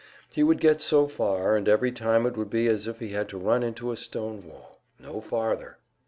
He would get so far, and every time it would be as if he had run into a stone wall. No farther!